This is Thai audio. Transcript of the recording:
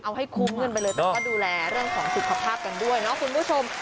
เอาให้คุ้มกันไปเลยแต่ก็ดูแลเรื่องของสุขภาพกันด้วยเนาะคุณผู้ชม